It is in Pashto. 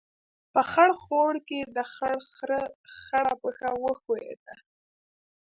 په خړ خوړ کې، د خړ خرهٔ خړه پښه وښیوده.